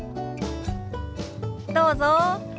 どうぞ。